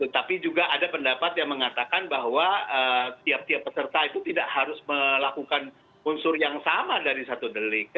tapi juga ada pendapat yang mengatakan bahwa tiap tiap peserta itu tidak harus melakukan unsur yang sama dari satu delik